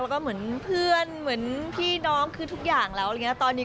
แล้วก็เหมือนเพื่อนเหมือนพี่น้องคือทุกอย่างแล้วอะไรอย่างนี้ตอนนี้